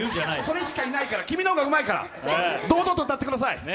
それしかいないから君の方がうまいから、堂々と歌ってください。